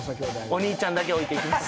お兄ちゃんだけ置いていきます。